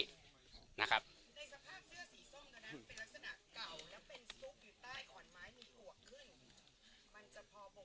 ในสภาพเยื่อสีส้มกันนะเป็นลักษณะเก่าแล้วเป็นสุกอยู่ใต้อ่อนไม้มีหัวขึ้น